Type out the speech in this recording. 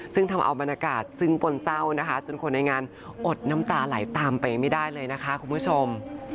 ซึ่งทำเอาบรรยากาศซึ้งปนเศร้านะคะจนคนในงานอดน้ำตาไหลตามไปไม่ได้เลยนะคะคุณผู้ชม